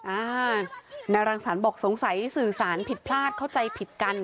อ่านายรังสรรค์บอกสงสัยสื่อสารผิดพลาดเข้าใจผิดกัน